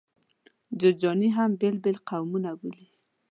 جوزجاني هم بېل بېل قومونه بولي.